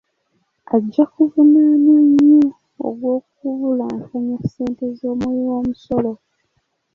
Ajja kuvunaanwa nnyo ogw'okubulankanya ssente z'omuwi w'omusolo .